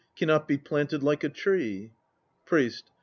Cannot be planted like a tree. PRIEST.